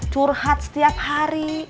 curhat setiap hari